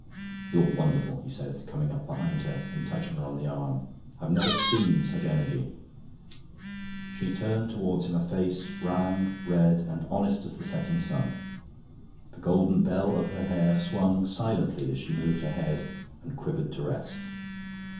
"You're wonderful," he said, coming up behind her and touching her on the arm. "I've never seen such energy." She turned towards him a face, round, red, and honest as the setting sun; the golden bell of her hair swung silently as she moved her head and quivered to rest.